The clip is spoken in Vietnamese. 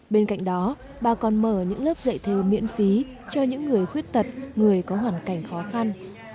bên cạnh đó bà còn mở những lớp dạy thề miễn phí cho những người khuyết tật người có hoàn cảnh khó khăn